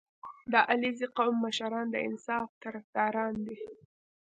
• د علیزي قوم مشران د انصاف طرفداران دي.